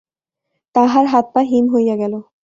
তাহার হাত-পা হিম হইয়া গেল।